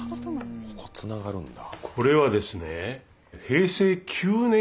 ここつながるんだ。